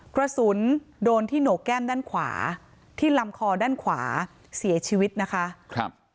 กระสุนโดนที่โหนกแก้มด้านขวาที่ลำคอด้านขวาเสียชีวิตนะคะครับ